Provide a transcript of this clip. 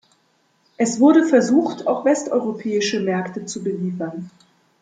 Es wurde versucht, auch westeuropäische Märkte zu beliefern.